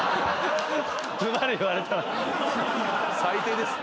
最低です。